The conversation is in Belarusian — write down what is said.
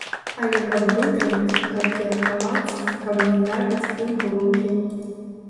Але каб вытрымаць, каб перахавацца, каб не трапіць ім у рукі!